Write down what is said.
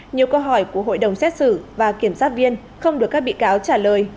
nhiều câu hỏi của hội đồng xét xử và kiểm sát viên không được các bị cáo trả lời